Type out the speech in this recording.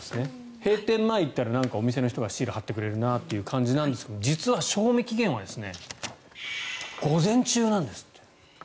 閉店前に行ったらお店の人がシールを貼ってくれるなという感じですが実は賞味期限は午前中なんですって。